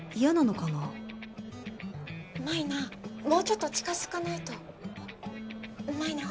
もうちょっと近づかないと舞菜